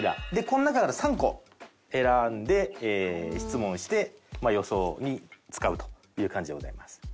この中から３個選んで質問して予想に使うという感じでございます。